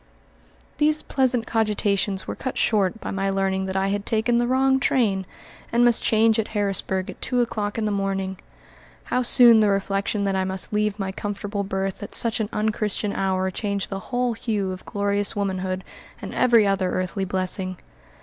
These pleasant cogitations were cut short by my learning that I had taken the wrong train, and must change at Harrisburg at two o'clock in the morning. How soon the reflection that I must leave my comfortable berth at such an unchristian hour changed the whole hue of glorious womanhood and every other earthly blessing!